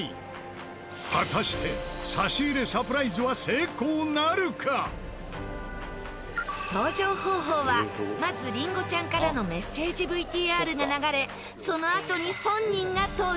果たして差し入れ登場方法はまずりんごちゃんからのメッセージＶＴＲが流れそのあとに本人が登場。